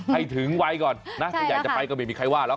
ให้ถึงไว้ก่อนนะคะอันใหญ่จะไปก็ไม่มีใครว่าหรอก